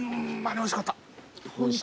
おいしかったー。